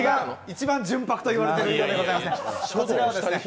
一番純白と呼ばれているものでございますね。